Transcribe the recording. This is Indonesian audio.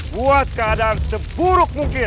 buat keadaan seburuk mungkin